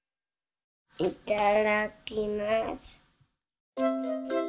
いただきます。